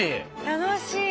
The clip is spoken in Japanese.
楽しい。